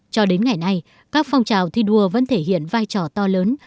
cho đến ngày nay các phong trào thi đua vẫn thể hiện vai trò to lớn